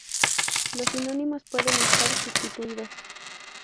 Los sinónimos pueden estar sustituidos.